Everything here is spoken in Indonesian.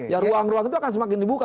ya ruang ruang itu akan semakin dibuka